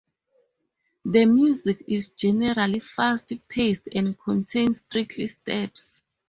The music is generally fast paced and contains tricky steps.